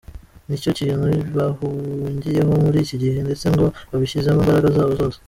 Nicyo kintu bahugiyeho muri iki gihe ndetse ngo babishyizemo imbaraga zabo zose.